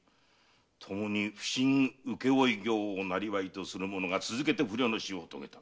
共に普請請負業を生業とする者が続けて不慮の死を遂げた。